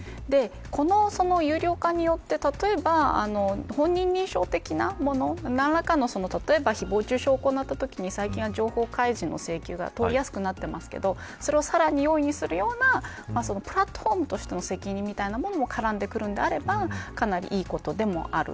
この有料化によって例えば本人認証的なもの、何らかの例えばひぼう中傷を行ったときに情報開示の請求が通りやすくなってますけどそれをさらに容易にするようなプラットフォームとしての責任みたいなものも絡んでくるのであればかなりいいことでもある。